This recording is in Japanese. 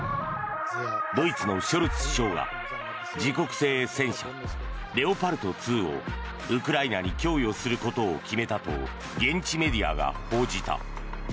ドイツのショルツ首相が自国製戦車レオパルト２をウクライナに供与することを決めたと現地メディアが報じた。